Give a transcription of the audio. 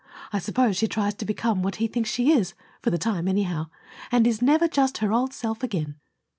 I suppose she tries to become what he thinks she is, for the time anyhow, and is never just her old self again."